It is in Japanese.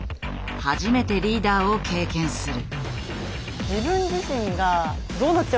初めてリーダーを経験する。